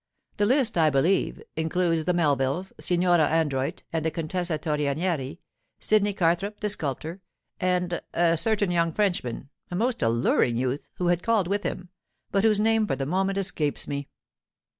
The list, I believe, includes the Melvilles, Signora Androit and the Contessa Torrenieri, Sidney Carthrope the sculptor, and a certain young Frenchman, a most alluring youth, who called with him, but whose name for the moment escapes me.